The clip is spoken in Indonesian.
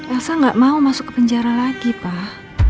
rasa gak mau masuk ke penjara lagi pak